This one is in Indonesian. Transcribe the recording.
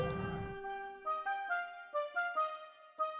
tinggal sama tante puput